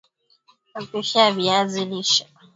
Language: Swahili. Mapishi ya viazi lishe